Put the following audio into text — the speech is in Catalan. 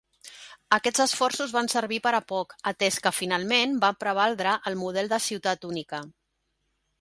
Aquests esforços van servir per a poc, atès que finalment va prevaldre el model de ciutat única.